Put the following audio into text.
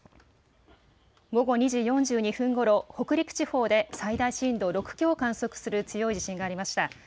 午後２時４２分ごろ、北陸地方で最大震度６強を観測する強い地震がありました。